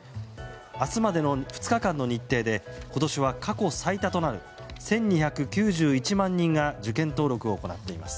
明日までの２日間の日程で今年は過去最多となる１２９１万人が受験登録を行っています。